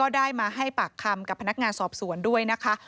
ได้มาให้ปากคำกับพนักงานสอบสวนด้วยนะคะ